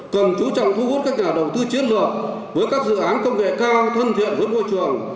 cần chú trọng thu hút các nhà đầu tư chiến lược với các dự án công nghệ cao thân thiện với môi trường